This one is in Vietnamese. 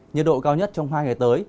nhiệt độ cao nhất trong hai ngày tới